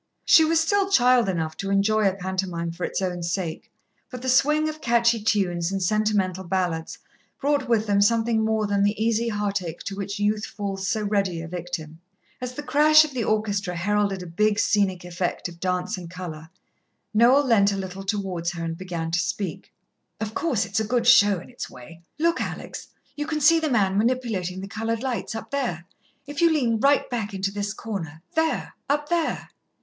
She was still child enough to enjoy a pantomime for its own sake, but the swing of catchy tunes and sentimental ballads brought with them something more than the easy heartache to which youth falls so ready a victim. As the crash of the orchestra heralded a big scenic effect of dance and colour, Noel leant a little towards her and began to speak. "Of course, it's a good show in its way. Look, Alex, you can see the man manipulating the coloured lights, up there. If you lean right back into this corner there, up there."